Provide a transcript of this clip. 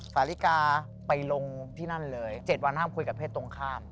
สาลิกาไปลงที่นั่นเลย๗วันห้ามคุยกับเพศตรงข้าม